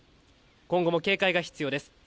今後も警戒が必要です。